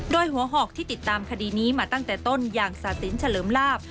โดยหัวหอกที่ติดตามคดีนี้มาตั้งแต่ต้นอย่างศาสินเฉลิมลาบ